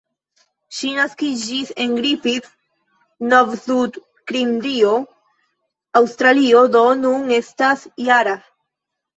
Ŝi naskiĝis en Griffith, Novsudkimrio, Aŭstralio, do nun estas -jara.